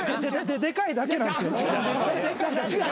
でかいだけなんですよ。